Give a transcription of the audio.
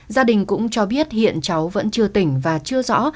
gia đình cũng cho biết hiện cháu vẫn chưa tỉnh và chưa rõ